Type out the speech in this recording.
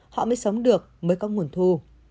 họ mới sống được mới có nguồn thu